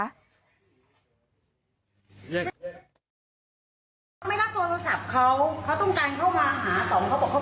อ้างว่าเขาแต่ขอคุยกับน้องชายตัวเองอีกวัน